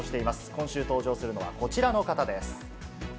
今週登場するのは、こちらの方です。